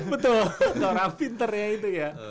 betul ke orang pintarnya itu ya